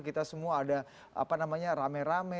kita semua ada rame rame